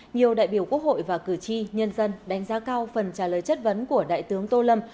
nhiều đại biểu quốc hội và cử tri nhân dân đánh giá cao phần trả lời chất vấn của đại tướng tô lâm